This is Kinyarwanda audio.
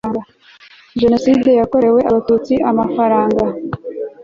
Jenoside yakorewe Abatutsi amafaranga